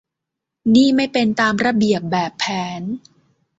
นี่ไม่เป็นตามระเบียบแบบแผน